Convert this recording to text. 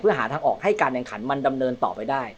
หาทางออกให้การแข่งขันมันดำเนินต่อไปได้